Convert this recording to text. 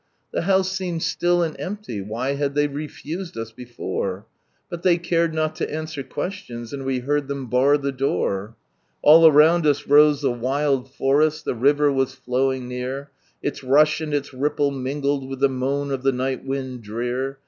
The house seemed still, and empty, why had they refused us before ? Km they cared not to answer questions, and we beard ihcm bar the door. All around ns rose the wild forest, the river was flowing near. lis rush and its ripple mingled with the moan of the nit; ht wind drear.